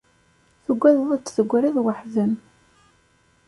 tuggadeḍ ad d-tegriḍ waḥd-m.